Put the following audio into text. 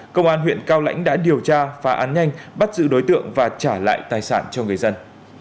công an huyện cao lãnh đã điều tra phá án nhanh bắt giữ đối tượng và trả lại tài sản cho người dân